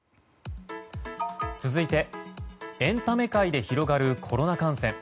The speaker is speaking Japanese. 続いてエンタメ界で広がるコロナ感染。